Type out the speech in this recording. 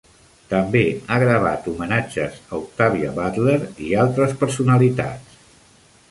També ha gravat homenatges a Octavia Butler i altres personalitats.